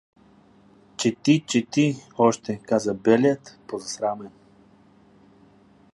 — Чети, чети още — каза беят позасрамен.